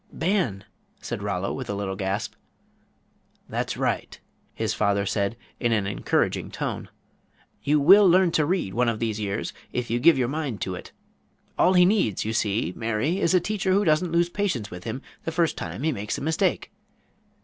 "Ban," said Rollo, with a little gasp. "That's right," his father said, in an encouraging tone; "you will learn to read one of these years if you give your mind to it. All he needs, you see, Mary, is a teacher who doesn't lose patience with him the first time he makes a mistake.